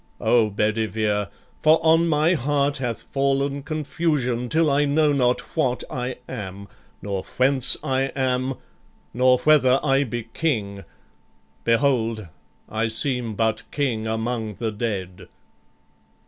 O Bedivere, for on my heart hath fall'n Confusion, till I know not what I am, Nor whence I am, nor whether I be King. Behold, I seem but King among the dead."